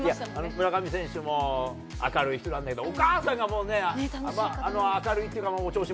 村上選手も明るい人なんだけどお母さんがもうね明るいっていうか。